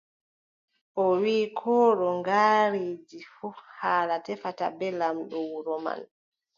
O wii, kooɗo ngaari ndi fuu, haala tefata bee laamɗo wuro man.